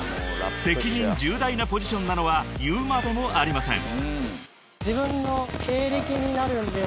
［責任重大なポジションなのは言うまでもありません］